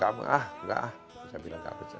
saya bilang ah tidak mungkin